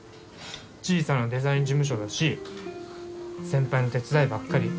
小さなデザイン事務所だし先輩の手伝いばっかり。